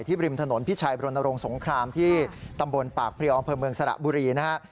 ที่ริมถนนพิชัยบรรณโรงสงครามที่ตำบลปากพระยองเผลอเมืองสระบุรีนะฮะ